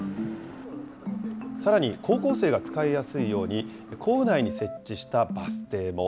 さらに高校生が使いやすいように、校内に設置したバス停も。